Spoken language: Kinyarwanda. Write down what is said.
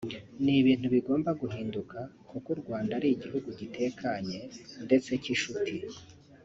ni ibintu bigomba guhinduka kuko u Rwanda ari igihugu gitekanye ndetse cy’inshuti